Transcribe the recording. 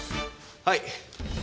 はい。